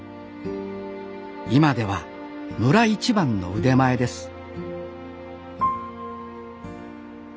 今では村一番の腕前です